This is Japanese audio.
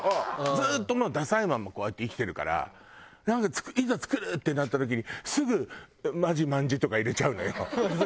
ずっとダサいまんまこうやって生きてるからなんかいざ作るってなった時にすぐ「マジ卍」とか入れちゃうのよ。